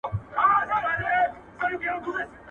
خپله دا مي خپله ده، د بل دا هم را خپله کې.